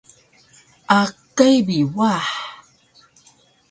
Akay bi wah